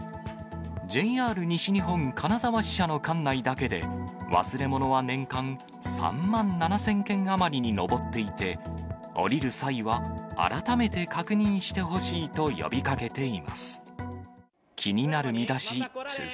ＪＲ西日本金沢支社の管内だけで、忘れ物は年間３万７０００件余りに上っていて、降りる際は、改めて確認してほしいと呼びかけています。